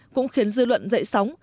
cũng khiến dư luận dậy sóng